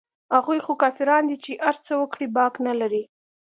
هغوى خو کافران دي چې هرڅه وکړي باک نه لري.